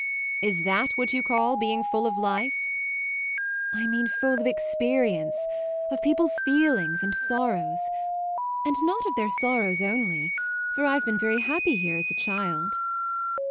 "Is that what you call being full of life?" "I mean full of experience of people's feelings and sorrows. And not of their sorrows only, for I've been very happy here as a child."